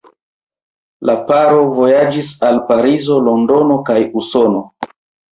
La paro vojaĝis al Parizo, Londono kaj Usono.